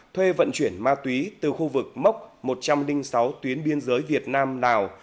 thuê vận chuyển ma túy từ khu vực mốc một trăm linh sáu tuyến biên giới việt nam lào